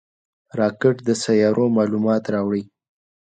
راکټ د سیارویو معلومات راوړي